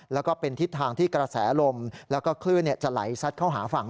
แล้วก็เป็นทิศทางที่กระแสลมแล้วก็คลื่นจะไหลซัดเข้าหาฝั่ง